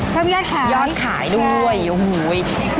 เพิ่มยอดขายใช่ยอดขายด้วยอุ้ยจ๊ะ